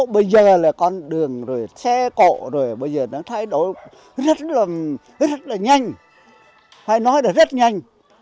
bây giờ nó thay đổi rất là nhanh phải nói là rất nhanh